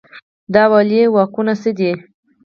د والي واکونه څه دي؟